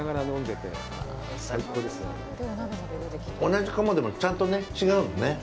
同じ鴨でも、ちゃんとね、違うんだね。